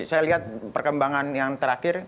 saya lihat perkembangan yang terakhir